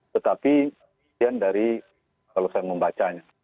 tetapi kemudian dari kalau saya membacanya